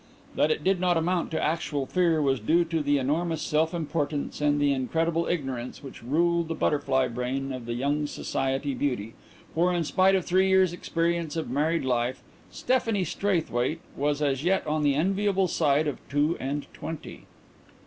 That it did not amount to actual fear was due to the enormous self importance and the incredible ignorance which ruled the butterfly brain of the young society beauty for in spite of three years' experience of married life Stephanie Straithwaite was as yet on the enviable side of two and twenty.